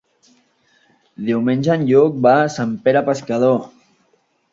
Diumenge en Lluc va a Sant Pere Pescador.